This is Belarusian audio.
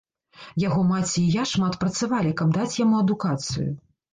Яго маці і я шмат працавалі, каб даць яму адукацыю.